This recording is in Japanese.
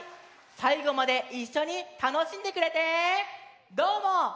さいごまでいっしょにたのしんでくれてどうも。